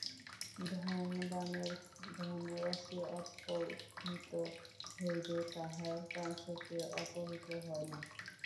ধনবানের ধনরাশি অপহৃত হইলে তাহার প্রাণশক্তি অপহৃত হয় না।